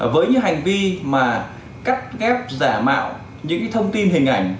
với những hành vi mà cắt ghép giả mạo những thông tin hình ảnh